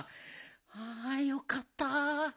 あよかった。